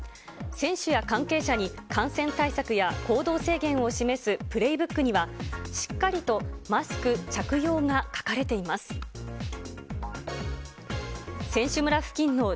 選手や関係者に感染対策や行動制限を示すプレイブックには、しっかりとマスク着用が書かれています。